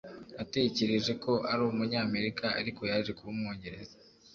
Natekereje ko ari umunyamerika ariko yaje kuba umwongereza